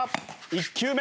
１球目。